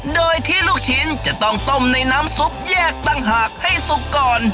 โดยที่ลูกชิ้นจะต้องต้มในน้ำซุปแยกต่างหากให้สุกก่อน